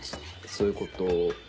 そういうこと。